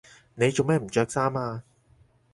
你做咩唔着衫呀？